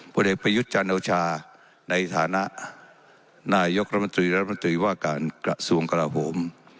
เด็กประยุทธ์จันโอชาในฐานะนายกรัฐมนตรีรัฐมนตรีว่าการกระทรวงกราโหม